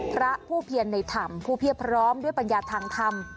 พระผู้เพียรในธรรมผู้เพียบพร้อมด้วยปัญญาทางธรรม